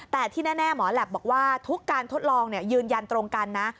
แต่ที่แน่หมอแหลปบอกว่าทุกการทดลองยืนยันตรงกันนะ